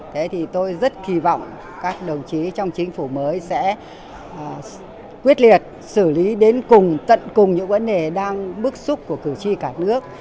thế thì tôi rất kỳ vọng các đồng chí trong chính phủ mới sẽ quyết liệt xử lý đến cùng tận cùng những vấn đề đang bức xúc của cử tri cả nước